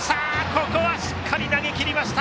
ここはしっかり投げきりました。